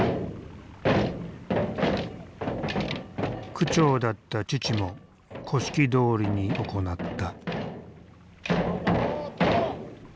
区長だった父も古式どおりに行った。